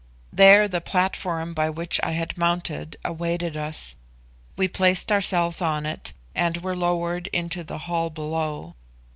There the platform by which I had mounted awaited us; we placed ourselves on it and were lowered into the hall below.